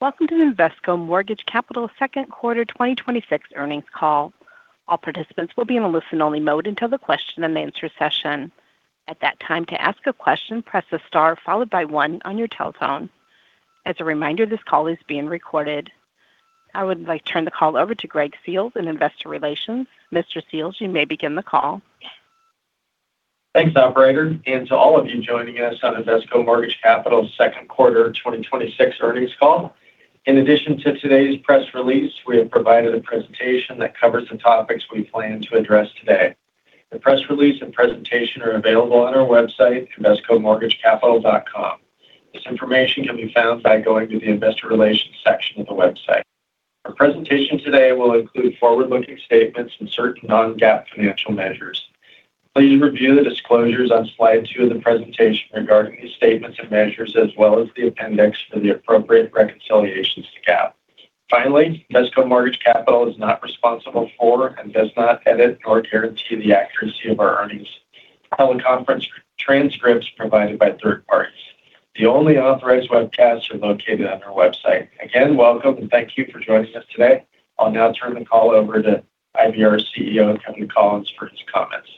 Welcome to the Invesco Mortgage Capital second quarter 2026 earnings call. All participants will be in a listen-only mode until the question and answer session. At that time, to ask a question, press the star followed by one on your telephone. As a reminder, this call is being recorded. I would like to turn the call over to Greg Seals in investor relations. Mr. Seals, you may begin the call. Thanks, operator, and to all of you joining us on Invesco Mortgage Capital's second quarter 2026 earnings call. In addition to today's press release, we have provided a presentation that covers the topics we plan to address today. The press release and presentation are available on our website, invescomortgagecapital.com. This information can be found by going to the investor relations section of the website. Our presentation today will include forward-looking statements and certain Non-GAAP financial measures. Please review the disclosures on slide two of the presentation regarding these statements and measures, as well as the appendix for the appropriate reconciliations to GAAP. Finally, Invesco Mortgage Capital is not responsible for and does not edit or guarantee the accuracy of our earnings. Teleconference transcripts are provided by third parties. The only authorized webcasts are located on our website. Again, welcome and thank you for joining us today. I'll now turn the call over to Invesco Mortgage Capital Chief Executive Officer, Kevin Collins, for his comments.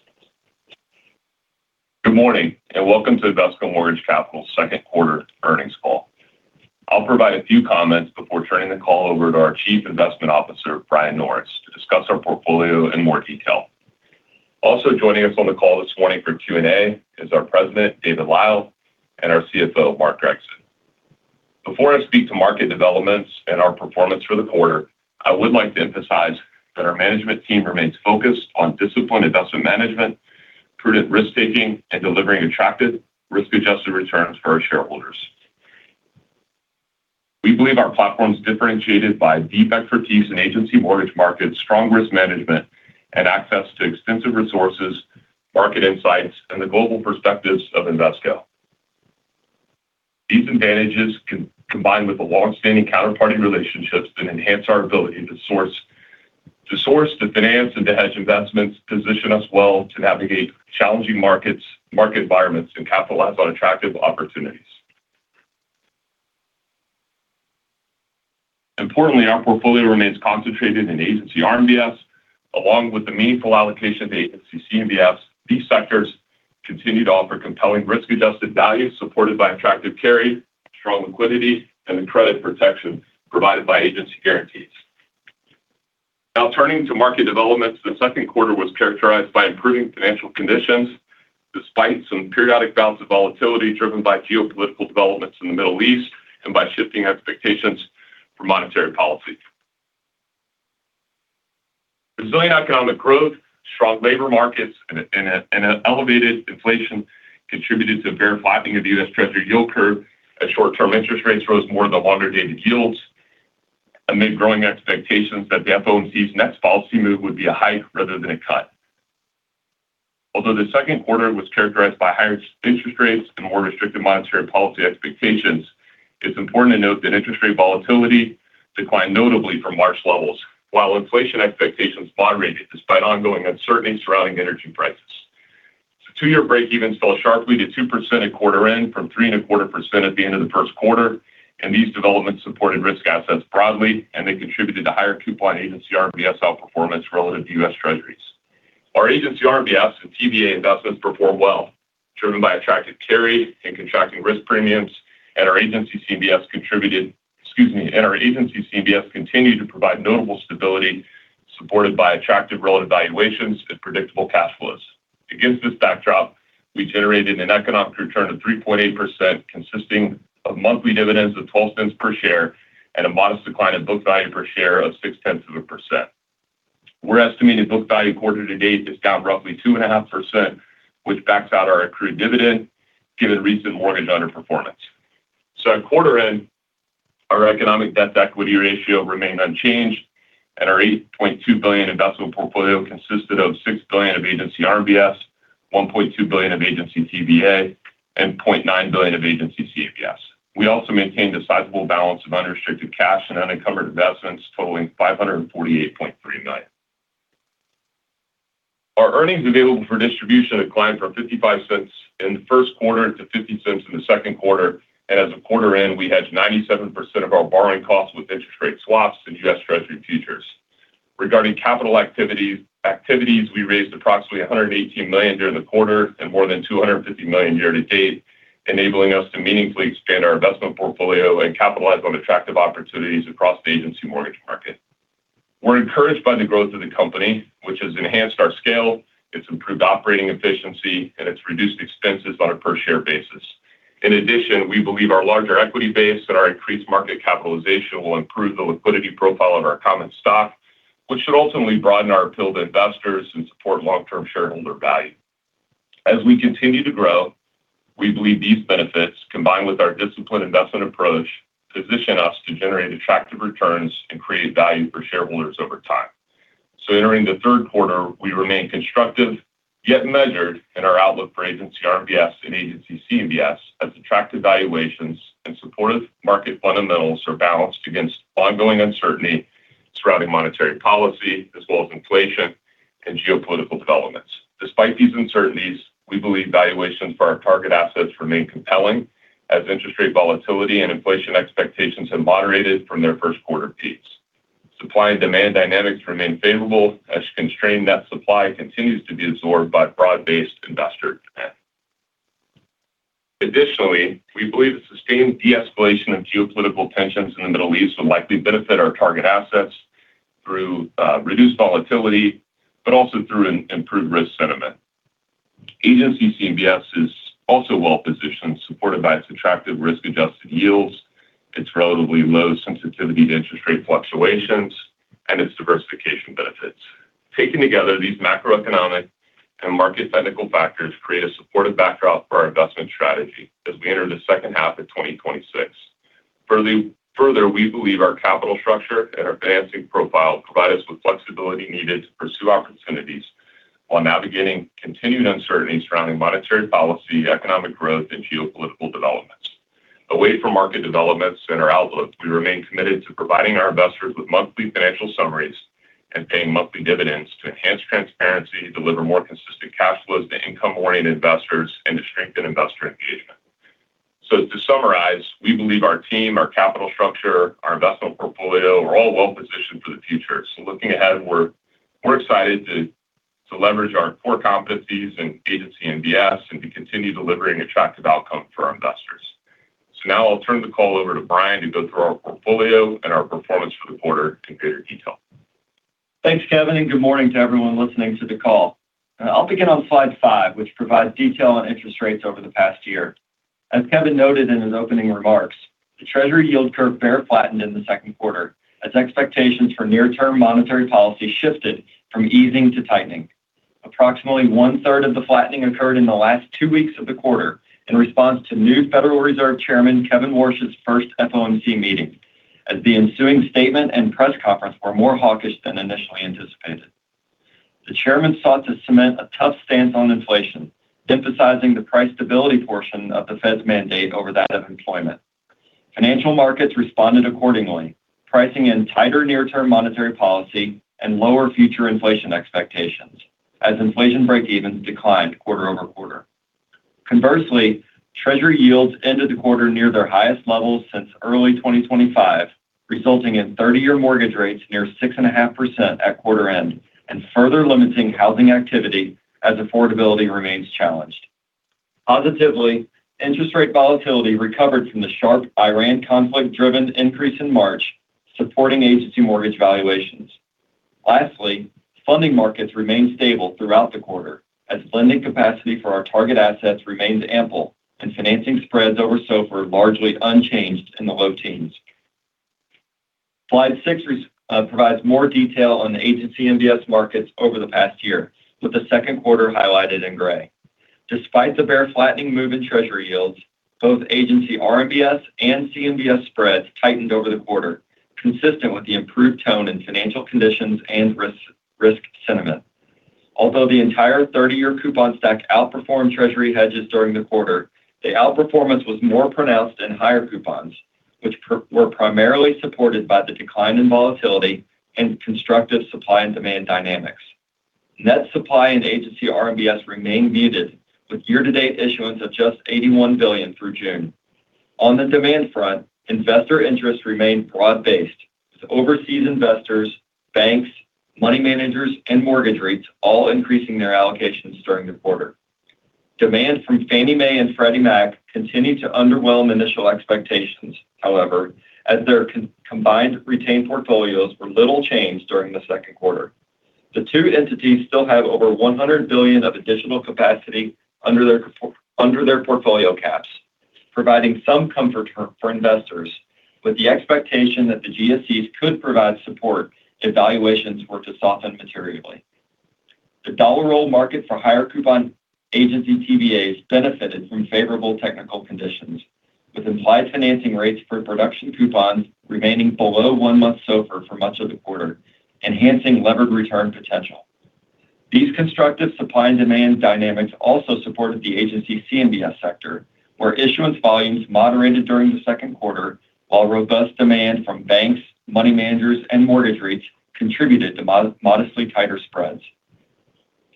Good morning and welcome to Invesco Mortgage Capital's second quarter earnings call. I'll provide a few comments before turning the call over to our Chief Investment Officer, Brian Norris, to discuss our portfolio in more detail. Also joining us on the call this morning for question-and-answer is our President, David Lyle, and our Chief Financial Officer, Mark Gregson. Before I speak to market developments and our performance for the quarter, I would like to emphasize that our management team remains focused on disciplined investment management, prudent risk-taking, and delivering attractive risk-adjusted returns for our shareholders. We believe our platform is differentiated by deep expertise in agency mortgage markets, strong risk management, and access to extensive resources, market insights, and the global perspectives of Invesco. These advantages, combined with the longstanding counterparty relationships that enhance our ability to source, to finance, and to hedge investments, position us well to navigate challenging market environments and capitalize on attractive opportunities. Importantly, our portfolio remains concentrated in Agency RMBS along with a meaningful allocation to Agency CMBS. These sectors continue to offer compelling risk-adjusted value supported by attractive carry, strong liquidity, and the credit protection provided by agency guarantees. Turning to market developments, the second quarter was characterized by improving financial conditions, despite some periodic bouts of volatility driven by geopolitical developments in the Middle East and by shifting expectations for monetary policy. Resilient economic growth, strong labor markets, and elevated inflation contributed to a bear flattening of the U.S. Treasury yield curve as short-term interest rates rose more than longer-dated yields amid growing expectations that the FOMC's next policy move would be a hike rather than a cut. Although the second quarter was characterized by higher interest rates and more restrictive monetary policy expectations, it's important to note that interest rate volatility declined notably from March levels, while inflation expectations moderated despite ongoing uncertainty surrounding energy prices. The two-year break even fell sharply to 2% at quarter end from 3.25% at the end of the first quarter. These developments supported risk assets broadly, and they contributed to higher coupon Agency RMBS outperformance relative to U.S. Treasuries. Our Agency RMBS and TBA investments performed well, driven by attractive carry and contracting risk premiums, and our Agency CMBS continued to provide notable stability supported by attractive relative valuations and predictable cash flows. Against this backdrop, we generated an economic return of 3.8%, consisting of monthly dividends of $0.12 per share and a modest decline in book value per share of six-tenths of a percent. We're estimating book value quarter to date is down roughly 2.5%, which backs out our accrued dividend given recent mortgage underperformance. At quarter end, our economic debt-to-equity ratio remained unchanged and our $8.2 billion investment portfolio consisted of $6 billion of Agency RMBS, $1.2 billion of Agency TBA, and $0.9 billion of Agency CMBS. We also maintained a sizable balance of unrestricted cash and unencumbered investments totaling $548.3 million. Our earnings available for distribution declined from $0.55 in the first quarter to $0.50 in the second quarter. As of quarter end, we hedged 97% of our borrowing costs with interest rate swaps and U.S. Treasury futures. Regarding capital activities, we raised approximately $118 million during the quarter and more than $250 million year to date, enabling us to meaningfully expand our investment portfolio and capitalize on attractive opportunities across the Agency mortgage market. We're encouraged by the growth of the company, which has enhanced our scale, it's improved operating efficiency, and it's reduced expenses on a per-share basis. In addition, we believe our larger equity base and our increased market capitalization will improve the liquidity profile of our common stock, which should ultimately broaden our appeal to investors and support long-term shareholder value. As we continue to grow, we believe these benefits, combined with our disciplined investment approach, position us to generate attractive returns and create value for shareholders over time. Entering the third quarter, we remain constructive yet measured in our outlook for Agency RMBS and Agency CMBS as attractive valuations and supportive market fundamentals are balanced against ongoing uncertainty surrounding monetary policy, as well as inflation and geopolitical developments. Despite these uncertainties, we believe valuations for our target assets remain compelling as interest rate volatility and inflation expectations have moderated from their first quarter peaks. Supply and demand dynamics remain favorable as constrained net supply continues to be absorbed by broad-based investor demand. Additionally, we believe a sustained de-escalation of geopolitical tensions in the Middle East will likely benefit our target assets through reduced volatility, but also through improved risk sentiment. Agency CMBS is also well-positioned, supported by its attractive risk-adjusted yields, its relatively low sensitivity to interest rate fluctuations, and its diversification benefits. Taken together, these macroeconomic and market technical factors create a supportive backdrop for our investment strategy as we enter the second half of 2026. Further, we believe our capital structure and our financing profile provide us with flexibility needed to pursue opportunities while navigating continued uncertainty surrounding monetary policy, economic growth, and geopolitical developments. Away from market developments and our outlook, we remain committed to providing our investors with monthly financial summaries and paying monthly dividends to enhance transparency, deliver more consistent cash flows to income-oriented investors, and to strengthen investor engagement. To summarize, we believe our team, our capital structure, our investment portfolio, we're all well positioned for the future. Looking ahead, we're excited to leverage our core competencies in Agency MBS and to continue delivering attractive outcome for our investors. Now I'll turn the call over to Brian to go through our portfolio and our performance for the quarter in greater detail. Thanks, Kevin, and good morning to everyone listening to the call. I'll begin on slide five, which provides detail on interest rates over the past year. As Kevin noted in his opening remarks, the U.S. Treasury yield curve bear flattened in the second quarter as expectations for near-term monetary policy shifted from easing to tightening. Approximately 1/3 of the flattening occurred in the last two weeks of the quarter in response to new Federal Reserve Chairman Kevin Warsh's first FOMC meeting, as the ensuing statement and press conference were more hawkish than initially anticipated. The Chairman sought to cement a tough stance on inflation, emphasizing the price stability portion of the Fed's mandate over that of employment. Financial markets responded accordingly, pricing in tighter near-term monetary policy and lower future inflation expectations as inflation break-evens declined quarter-over-quarter. Conversely, Treasury yields ended the quarter near their highest levels since early 2025, resulting in 30-year mortgage rates near 6.5% at quarter end and further limiting housing activity as affordability remains challenged. Positively, interest rate volatility recovered from the sharp Iran conflict-driven increase in March, supporting agency mortgage valuations. Lastly, funding markets remained stable throughout the quarter as lending capacity for our target assets remains ample and financing spreads over SOFR largely unchanged in the low teens. Slide six provides more detail on the Agency MBS markets over the past year, with the second quarter highlighted in gray. Despite the bear flattening move in Treasury yields, both Agency RMBS and CMBS spreads tightened over the quarter, consistent with the improved tone in financial conditions and risk sentiment. Although the entire 30-year coupon stack outperformed Treasury hedges during the quarter, the outperformance was more pronounced in higher coupons, which were primarily supported by the decline in volatility and constructive supply and demand dynamics. Net supply and Agency RMBS remain muted, with year-to-date issuance of just $81 billion through June. On the demand front, investor interest remained broad-based, with overseas investors, banks, money managers, and mortgage REITs all increasing their allocations during the quarter. Demand from Fannie Mae and Freddie Mac continued to underwhelm initial expectations, however, as their combined retained portfolios were little changed during the second quarter. The two entities still have over $100 billion of additional capacity under their portfolio caps, providing some comfort for investors, with the expectation that the GSEs could provide support if valuations were to soften materially. The dollar roll market for higher coupon Agency TBAs benefited from favorable technical conditions, with implied financing rates for production coupons remaining below one-month SOFR for much of the quarter, enhancing levered return potential. These constructive supply and demand dynamics also supported the Agency CMBS sector, where issuance volumes moderated during the second quarter, while robust demand from banks, money managers, and mortgage REITs contributed to modestly tighter spreads.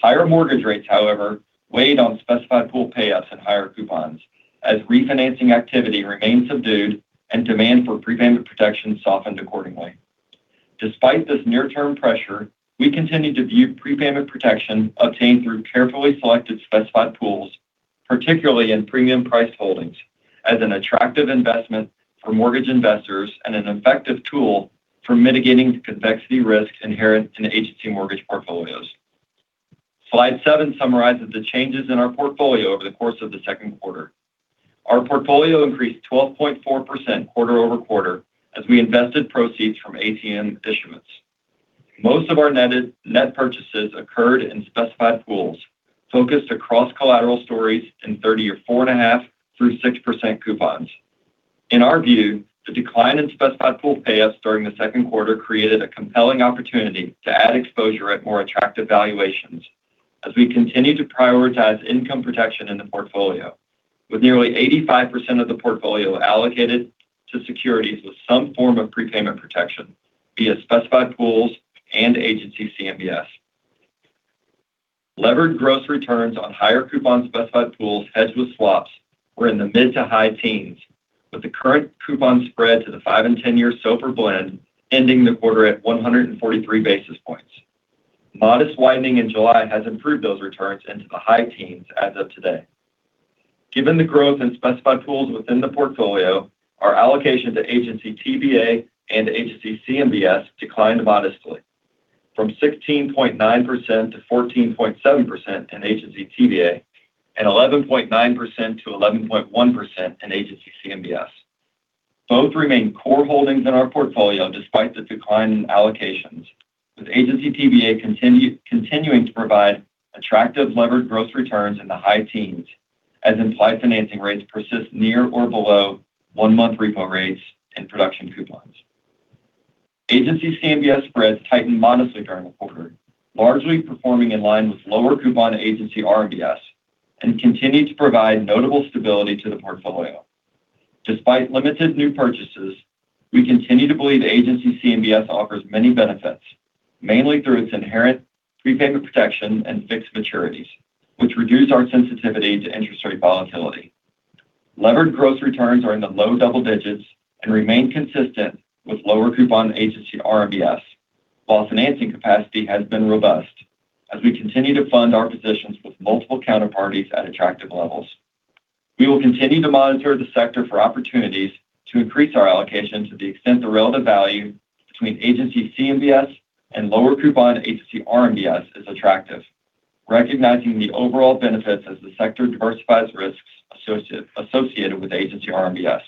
Higher mortgage rates, however, weighed on specified pool payoffs and higher coupons as refinancing activity remained subdued and demand for prepayment protection softened accordingly. Despite this near-term pressure, we continue to view prepayment protection obtained through carefully selected specified pools, particularly in premium priced holdings, as an attractive investment for mortgage investors and an effective tool for mitigating the convexity risks inherent in agency mortgage portfolios. Slide seven summarizes the changes in our portfolio over the course of the second quarter. Our portfolio increased 12.4% quarter-over-quarter as we invested proceeds from ATM issuance. Most of our net purchases occurred in specified pools focused across collateral stories in 30-year 4.5%-6% coupons. In our view, the decline in specified pool payoffs during the second quarter created a compelling opportunity to add exposure at more attractive valuations as we continue to prioritize income protection in the portfolio, with nearly 85% of the portfolio allocated to securities with some form of prepayment protection via specified pools and Agency CMBS. Levered gross returns on higher coupon specified pools hedged with swaps were in the mid to high teens, with the current coupon spread to the five and 10-year SOFR blend ending the quarter at 143 basis points. Modest widening in July has improved those returns into the high teens as of today. Given the growth in specified pools within the portfolio, our allocation to Agency TBA and Agency CMBS declined modestly from 16.9%-14.7% in Agency TBA and 11.9%-11.1% in Agency CMBS. Both remain core holdings in our portfolio, despite the decline in allocations, with Agency TBA continuing to provide attractive levered gross returns in the high teens as implied financing rates persist near or below one-month repo rates and production coupons. Agency CMBS spreads tightened modestly during the quarter, largely performing in line with lower coupon Agency RMBS, and continued to provide notable stability to the portfolio. Despite limited new purchases, we continue to believe Agency CMBS offers many benefits, mainly through its inherent prepayment protection and fixed maturities, which reduce our sensitivity to interest rate volatility. Levered gross returns are in the low double digits and remain consistent with lower coupon Agency RMBS, while financing capacity has been robust as we continue to fund our positions with multiple counterparties at attractive levels. We will continue to monitor the sector for opportunities to increase our allocation to the extent the relative value between Agency CMBS and lower coupon Agency RMBS is attractive, recognizing the overall benefits as the sector diversifies risks associated with Agency RMBS.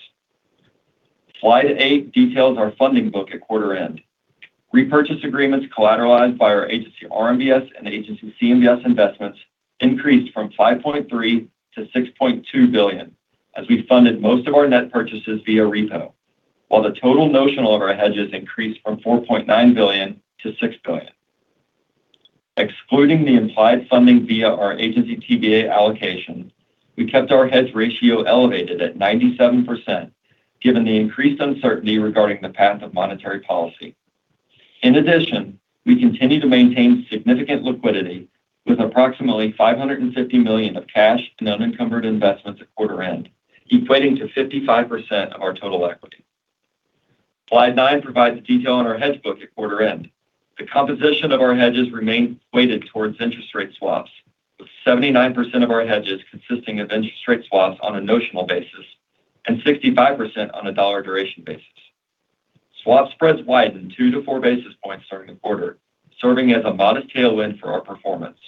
Slide eight details our funding book at quarter end. Repurchase agreements collateralized by our Agency RMBS and Agency CMBS investments increased from $5.3 billion-$6.2 billion, as we funded most of our net purchases via repo, while the total notional of our hedges increased from $4.9 billion-$6 billion. Excluding the implied funding via our Agency TBA allocation, we kept our hedge ratio elevated at 97%, given the increased uncertainty regarding the path of monetary policy. In addition, we continue to maintain significant liquidity with approximately $550 million of cash and unencumbered investments at quarter end, equating to 55% of our total equity. Slide nine provides a detail on our hedge book at quarter end. The composition of our hedges remain weighted towards interest rate swaps, with 79% of our hedges consisting of interest rate swaps on a notional basis and 65% on a dollar duration basis. Swap spreads widened 2 basis points-4 basis points during the quarter, serving as a modest tailwind for our performance.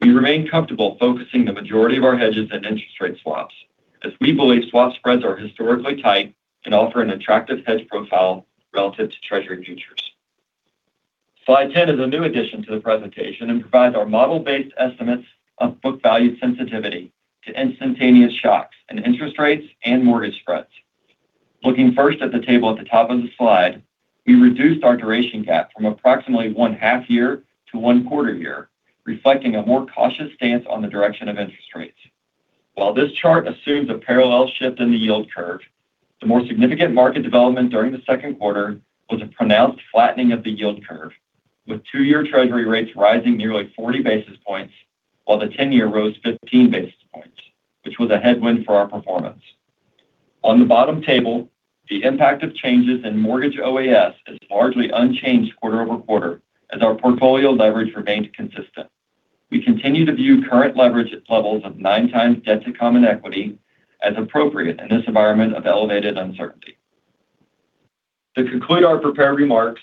We remain comfortable focusing the majority of our hedges in interest rate swaps, as we believe swap spreads are historically tight and offer an attractive hedge profile relative to U.S. Treasury futures. Slide 10 is a new addition to the presentation and provides our model-based estimates of book value sensitivity to instantaneous shocks in interest rates and mortgage spreads. Looking first at the table at the top of the slide, we reduced our duration gap from approximately one half year to one quarter year, reflecting a more cautious stance on the direction of interest rates. While this chart assumes a parallel shift in the yield curve, the more significant market development during the second quarter was a pronounced flattening of the yield curve, with two-year U.S. Treasury rates rising nearly 40 basis points while the 10-year rose 15 basis points, which was a headwind for our performance. On the bottom table, the impact of changes in mortgage OAS is largely unchanged quarter-over-quarter as our portfolio leverage remains consistent. We continue to view current leverage at levels of 9x debt-to-common equity as appropriate in this environment of elevated uncertainty. To conclude our prepared remarks,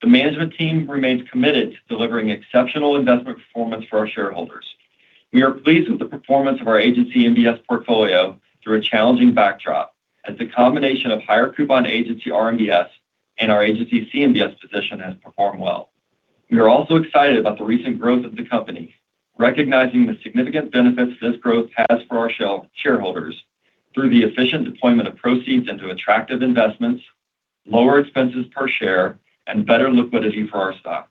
the management team remains committed to delivering exceptional investment performance for our shareholders. We are pleased with the performance of our Agency MBS portfolio through a challenging backdrop, as the combination of higher coupon Agency RMBS and our Agency CMBS position has performed well. We are also excited about the recent growth of the company, recognizing the significant benefits this growth has for our shareholders through the efficient deployment of proceeds into attractive investments, lower expenses per share, and better liquidity for our stock.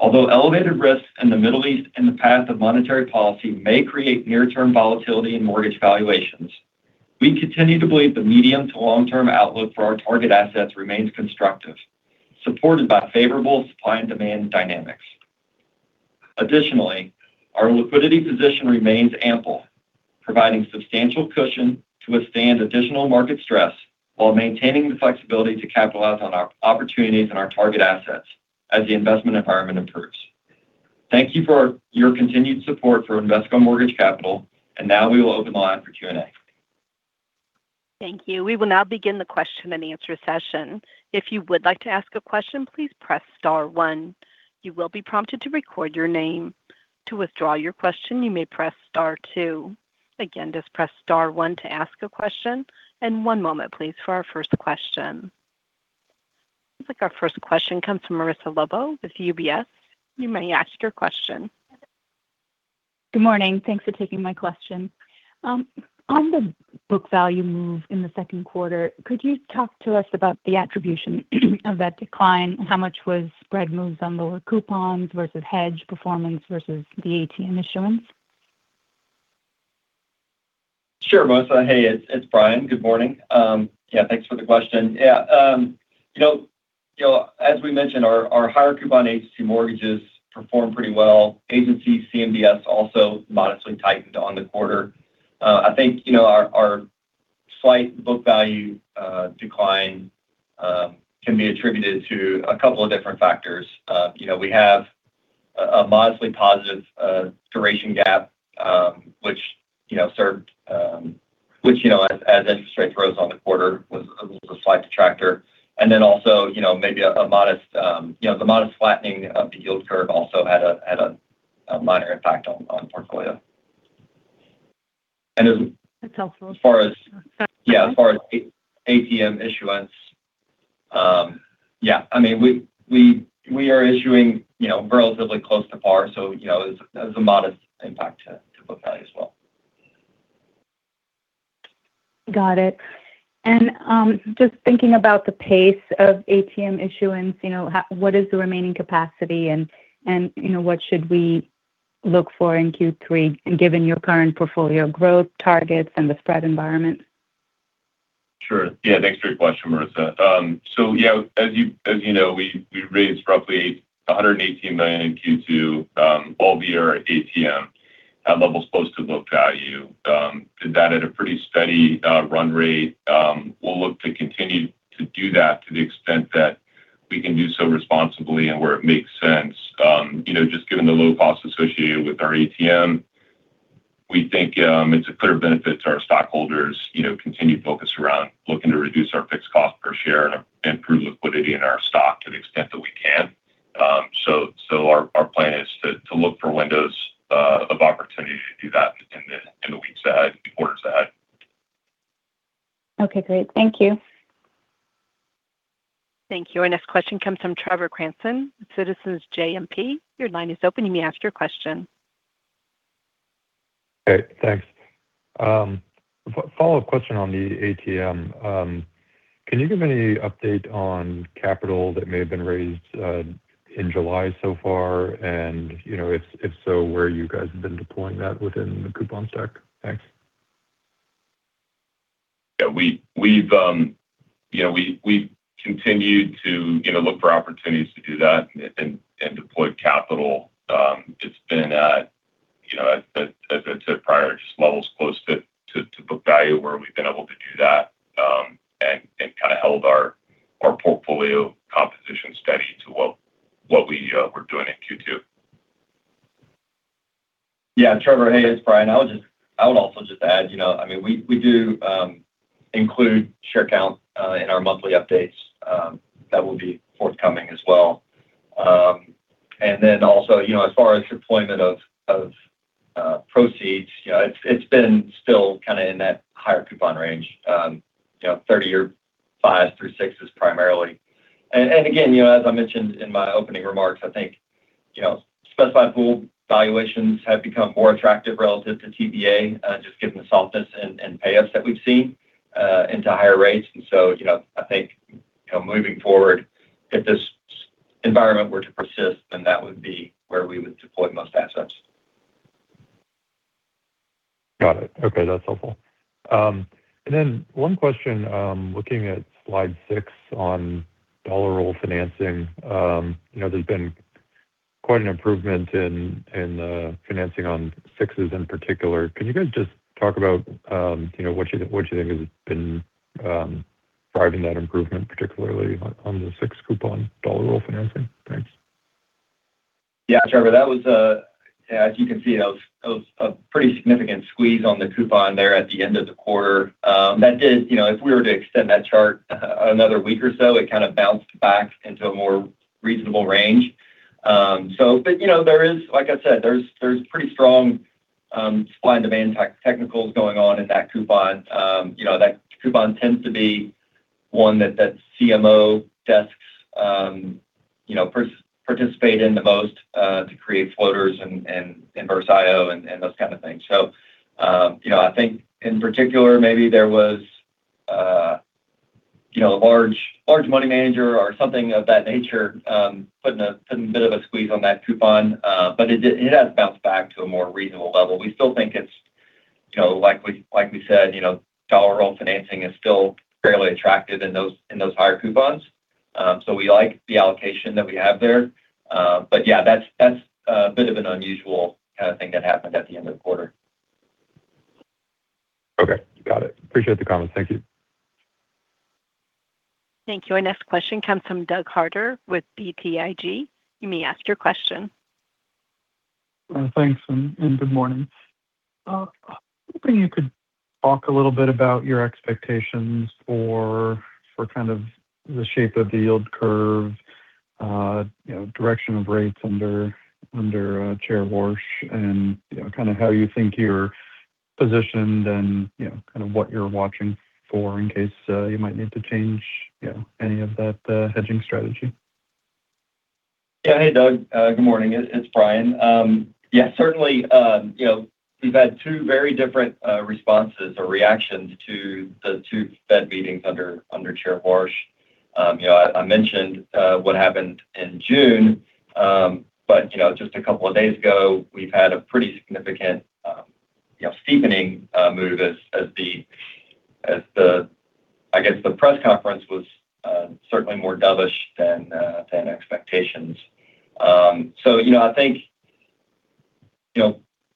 Although elevated risks in the Middle East and the path of monetary policy may create near-term volatility in mortgage valuations, we continue to believe the medium to long-term outlook for our target assets remains constructive, supported by favorable supply and demand dynamics. Additionally, our liquidity position remains ample, providing substantial cushion to withstand additional market stress while maintaining the flexibility to capitalize on our opportunities and our target assets as the investment environment improves. Thank you for your continued support for Invesco Mortgage Capital, and now we will open the line for question-and-answer. Thank you. We will now begin the question-and-answer session. If you would like to ask a question, please press star one. You will be prompted to record your name. To withdraw your question, you may press star two. Again, just press star one to ask a question. One moment, please, for our first question. Looks like our first question comes from Marissa Lobo with UBS. You may ask your question. Good morning. Thanks for taking my question. On the book value move in the second quarter, could you talk to us about the attribution of that decline? How much was spread moves on lower coupons versus hedge performance versus the ATM issuance? Sure, Marissa. Hey, it's Brian. Good morning. Thanks for the question. As we mentioned, our higher coupon Agency mortgages performed pretty well. Agency CMBS also modestly tightened on the quarter. I think our slight book value decline can be attributed to a couple of different factors. We have a modestly positive duration gap which as interest rates rose on the quarter, was a slight detractor. Then also maybe the modest flattening of the yield curve also had a minor impact on portfolio. That's helpful. As far as ATM issuance, we are issuing relatively close to par, so there's a modest impact to book value as well. Got it. Just thinking about the pace of ATM issuance, what is the remaining capacity and what should we look for in Q3, given your current portfolio growth targets and the spread environment? Sure. Thanks for your question, Marissa. As you know, we raised roughly $118 million in Q2 our ATM at levels close to book value. Did that at a pretty steady run rate. We'll look to continue to do that to the extent that we can do so responsibly and where it makes sense. Given the low cost associated with our ATM, we think it's a clear benefit to our stockholders, continued focus around looking to reduce our fixed cost per share and improve liquidity in our stock to the extent that we can. Our plan is to look for windows of opportunity to do that in the weeks ahead, quarters ahead. Okay, great. Thank you. Thank you. Our next question comes from Trevor Cranston, Citizens JMP. Your line is open. You may ask your question. Great. Thanks. Follow-up question on the ATM. Can you give any update on capital that may have been raised in July so far? If so, where you guys have been deploying that within the coupon stack? Thanks. We've continued to look for opportunities to do that and deploy capital. It's been at, as I said prior, just levels close to book value where we've been able to do that, and kind of held our portfolio composition steady to what we were doing in Q2. Trevor, hey. It's Brian. I would also just add, we do include share count in our monthly updates. That will be forthcoming as well. As far as deployment of proceeds, it's been still kind of in that higher coupon range, 30-year 5s through 6s primarily. Again, as I mentioned in my opening remarks, I think specified pool valuations have become more attractive relative to TBA, just given the softness and payoffs that we've seen into higher rates. I think moving forward, if this environment were to persist, then that would be where we would deploy most assets. Got it. Okay. That's helpful. One question, looking at slide six on dollar roll financing. There's been quite an improvement in the financing on 6s in particular. Can you guys just talk about what you think has been driving that improvement, particularly on the 6% coupon dollar roll financing? Thanks. Trevor, as you can see, that was a pretty significant squeeze on the coupon there at the end of the quarter. If we were to extend that chart another week or so, it kind of bounced back into a more reasonable range. Like I said, there's pretty strong supply and demand technicals going on in that coupon. That coupon tends to be one that CMO desks participate in the most to create floaters and inverse IO and those kind of things. I think in particular, maybe there was a large money manager or something of that nature putting a bit of a squeeze on that coupon. It has bounced back to a more reasonable level. We still think it's, like we said, dollar roll financing is still fairly attractive in those higher coupons. We like the allocation that we have there. yeah, that's a bit of an unusual kind of thing that happened at the end of the quarter. Okay. Got it. Appreciate the comments. Thank you. Thank you. Our next question comes from Doug Harter with BTIG. You may ask your question. Thanks, and good morning. I was hoping you could talk a little bit about your expectations for kind of the shape of the yield curve, direction of rates under Chair Warsh, and kind of how you think you're positioned and kind of what you're watching for in case you might need to change any of that hedging strategy. Yeah. Hey, Doug. Good morning. It's Brian. Yeah, certainly, we've had two very different responses or reactions to the two Fed meetings under Chair Warsh. I mentioned what happened in June. Just a couple of days ago, we've had a pretty significant steepening move as the, I guess, the press conference was certainly more dovish than expectations. I think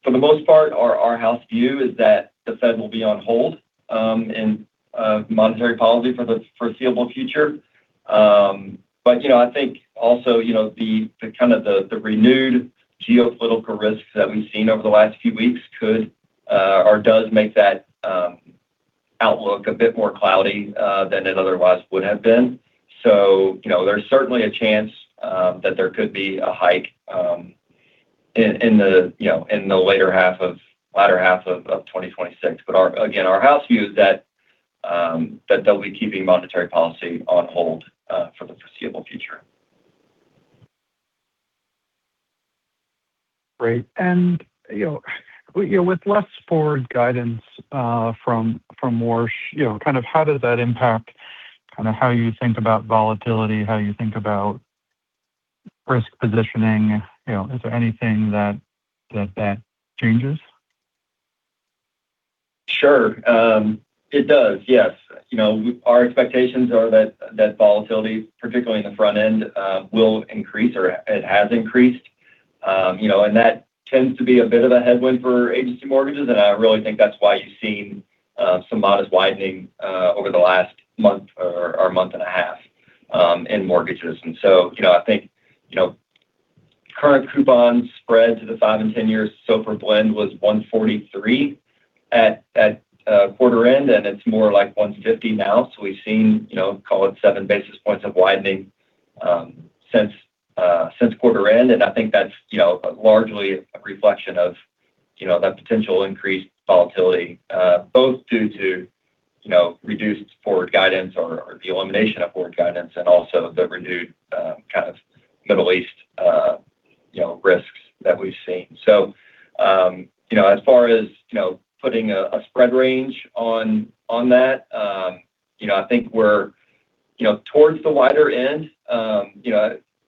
for the most part, our house view is that the Fed will be on hold in monetary policy for the foreseeable future. I think also the renewed geopolitical risks that we've seen over the last few weeks could or does make that outlook a bit more cloudy than it otherwise would have been. There's certainly a chance that there could be a hike in the latter half of 2026. Again, our house view is that they'll be keeping monetary policy on hold for the foreseeable future. Great. With less forward guidance from Warsh, how does that impact how you think about volatility, how you think about risk positioning? Is there anything that changes? Sure. It does, yes. Our expectations are that volatility, particularly in the front end, will increase, or it has increased. That tends to be a bit of a headwind for agency mortgages, and I really think that's why you've seen some modest widening over the last month or month and a half in mortgages. I think current coupon spread to the five and 10 years SOFR blend was 143 basis points at quarter end, and it's more like 150 basis points now. We've seen, call it seven basis points of widening since quarter end. I think that's largely a reflection of that potential increased volatility, both due to reduced forward guidance or the elimination of forward guidance and also the renewed Middle East risks that we've seen. As far as putting a spread range on that, I think we're towards the wider end.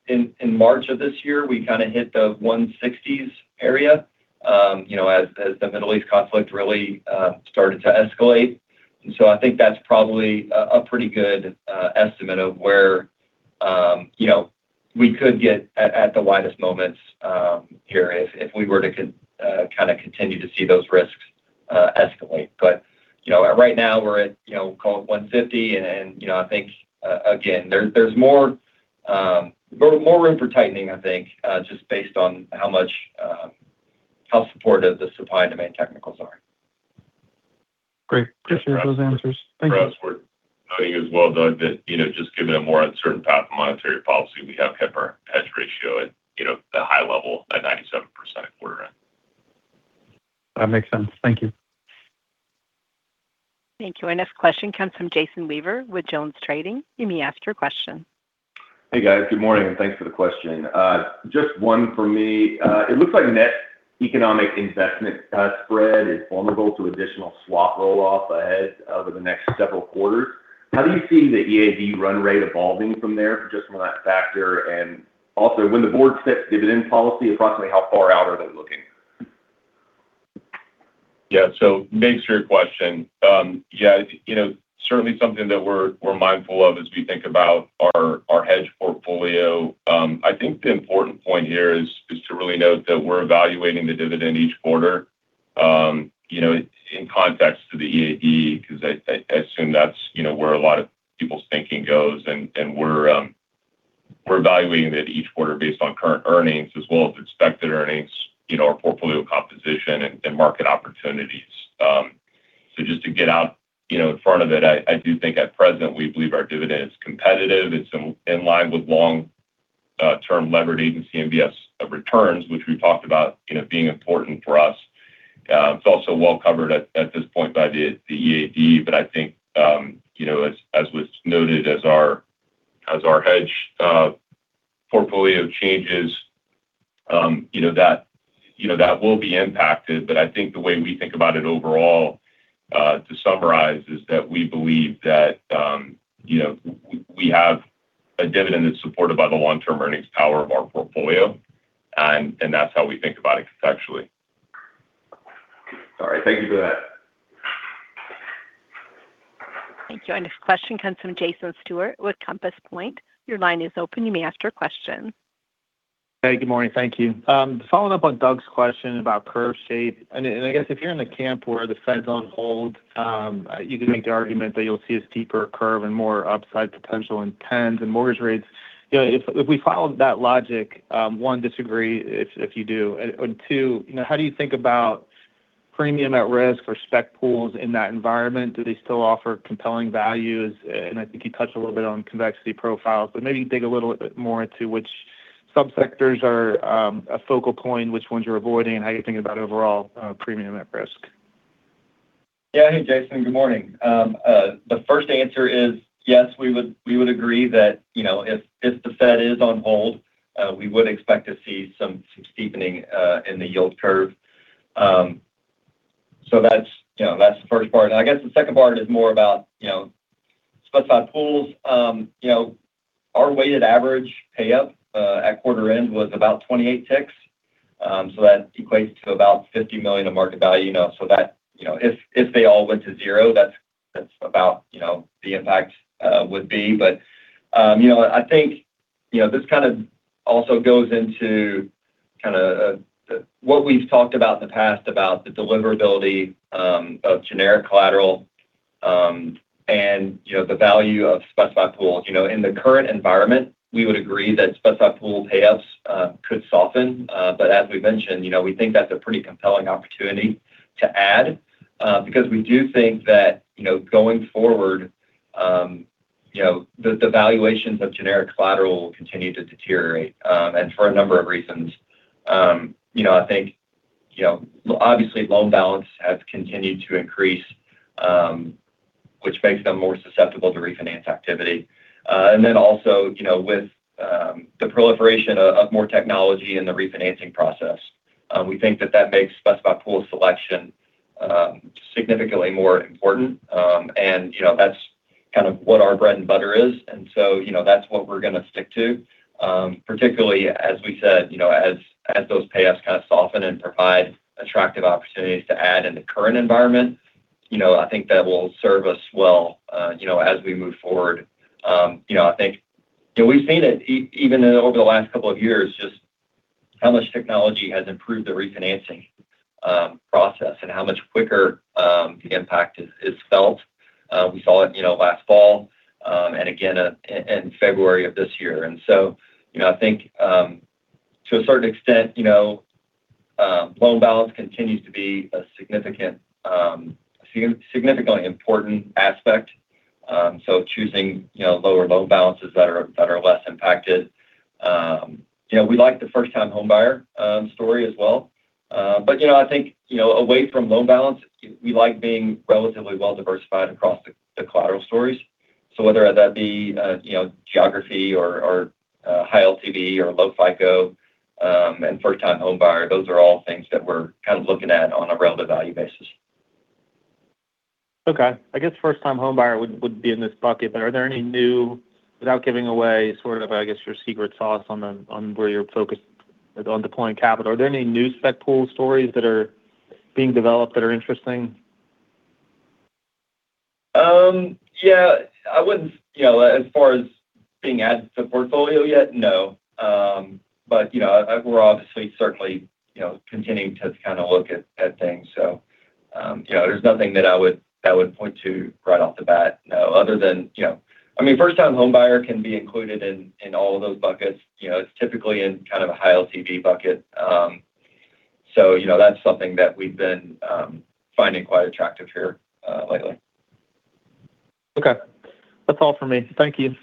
In March of this year, we kind of hit the 160s area as the Middle East conflict really started to escalate. I think that's probably a pretty good estimate of where we could get at the widest moments here if we were to continue to see those risks escalate. Right now we're at, call it, 150 basis points. I think, again, there's more room for tightening, I think, just based on how supportive the supply and demand technicals are. Great. Appreciate those answers. Thank you. For us, we're noting as well, Doug, that just given a more uncertain path of monetary policy, we have kept our hedge ratio at the high level at 97% quarter end. That makes sense. Thank you. Thank you. Our next question comes from Jason Weaver with JonesTrading. You may ask your question. Hey, guys. Good morning, and thanks for the question. Just one from me. It looks like net economic investment spread is vulnerable to additional swap roll-off ahead over the next several quarters. How do you see the EAD run rate evolving from there for just from that factor? Also, when the board sets dividend policy, approximately how far out are they looking? Yeah. Thanks for your question. Yeah. Certainly something that we're mindful of as we think about our hedge portfolio. I think the important point here is to really note that we're evaluating the dividend each quarter in context to the EAD, because I assume that's where a lot of people's thinking goes. We're evaluating that each quarter based on current earnings as well as expected earnings, our portfolio composition and market opportunities. Just to get out in front of it, I do think at present, we believe our dividend is competitive. It's in line with long-term levered Agency MBS returns, which we've talked about being important for us. It's also well covered at this point by the EAD. I think as was noted, as our hedge portfolio changes, that will be impacted. I think the way we think about it overall, to summarize, is that we believe that we have a dividend that's supported by the long-term earnings power of our portfolio, and that's how we think about it conceptually. All right. Thank you for that. Thank you. Our next question comes from Jason Stewart with Compass Point. Your line is open. You may ask your question. Hey, good morning. Thank you. Following up on Doug's question about curve shape, I guess if you're in the camp where the Fed's on hold, you can make the argument that you'll see a steeper curve and more upside potential in tens and mortgage rates. If we follow that logic, one, disagree if you do, two, how do you think about premium at risk or spec pools in that environment? Do they still offer compelling values? I think you touched a little bit on convexity profiles, but maybe dig a little bit more into which subsectors are a focal point, which ones you're avoiding, and how you think about overall premium at risk. Hey, Jason. Good morning. The first answer is yes, we would agree that if the Fed is on hold, we would expect to see some steepening in the yield curve. That's the first part. I guess the second part is more about specified pools. Our weighted average pay up at quarter end was about 28 ticks. That equates to about $50 million of market value. If they all went to zero, that's about the impact would be. I think this kind of also goes into what we've talked about in the past, about the deliverability of generic collateral, the value of specified pools. In the current environment, we would agree that specified pool payoffs could soften. As we've mentioned, we think that's a pretty compelling opportunity to add, because we do think that, going forward, the valuations of generic collateral will continue to deteriorate, for a number of reasons. I think, obviously, loan balance has continued to increase, which makes them more susceptible to refinance activity. Also, with the proliferation of more technology in the refinancing process, we think that that makes specified pool selection significantly more important. That's kind of what our bread and butter is, that's what we're going to stick to. Particularly, as we said, as those payoffs kind of soften and provide attractive opportunities to add in the current environment, I think that will serve us well as we move forward. I think we've seen it even over the last couple of years, just how much technology has improved the refinancing process and how much quicker the impact is felt. We saw it last fall, again in February of this year. I think, to a certain extent, loan balance continues to be a significantly important aspect. Choosing lower loan balances that are less impacted. We like the first-time homebuyer story as well. I think, away from loan balance, we like being relatively well-diversified across the collateral stories. Whether that be geography or high LTV or low FICO, and first-time homebuyer, those are all things that we're kind of looking at on a relative value basis. Okay. I guess first-time homebuyer would be in this bucket. Are there any new, without giving away sort of, I guess, your secret sauce on where you're focused on deploying capital, are there any new spec pool stories that are being developed that are interesting? Yeah. As far as being added to the portfolio yet, no. We're obviously certainly continuing to kind of look at things. There's nothing that I would point to right off the bat, no. First-time homebuyer can be included in all of those buckets. It's typically in kind of a high LTV bucket. That's something that we've been finding quite attractive here lately. Okay. That's all for me. Thank you.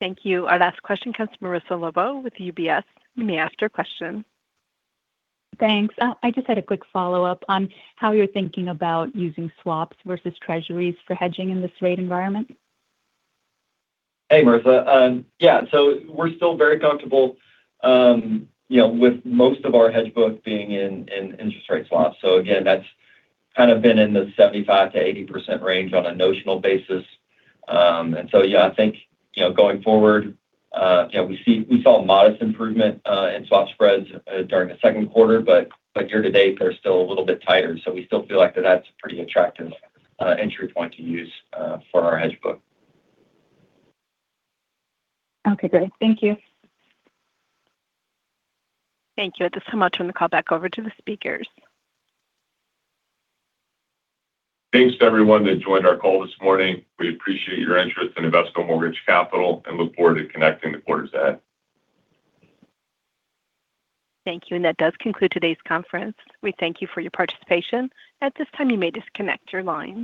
Thank you. Our last question comes from Marissa Lobo with UBS. You may ask your question. Thanks. I just had a quick follow-up on how you're thinking about using swaps versus treasuries for hedging in this rate environment. Hey, Marissa. Yeah. We're still very comfortable with most of our hedge book being in interest rate swaps. Again, that's kind of been in the 75%-80% range on a notional basis. Yeah, I think, going forward, we saw a modest improvement in swap spreads during the second quarter, year to date, they're still a little bit tighter. We still feel like that that's a pretty attractive entry point to use for our hedge book. Okay, great. Thank you. Thank you. At this time, I'll turn the call back over to the speakers. Thanks to everyone that joined our call this morning. We appreciate your interest in Invesco Mortgage Capital and look forward to connecting the quarter's end. Thank you. That does conclude today's conference. We thank you for your participation. At this time, you may disconnect your lines.